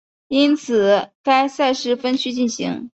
因此该赛事分区进行。